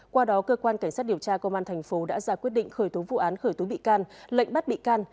qua đó cơ quan cảnh sát điều tra công an thành phố đã ra quyết định khởi tố vụ án khởi tố bị can lệnh bắt bị can